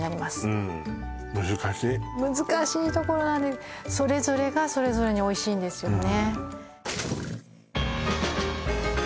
うん難しい難しいところなんですそれぞれがそれぞれにおいしいんですよね